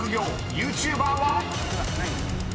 ［ＹｏｕＴｕｂｅｒは⁉］